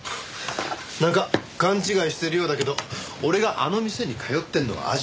なんか勘違いしてるようだけど俺があの店に通ってるのは味に惚れたから。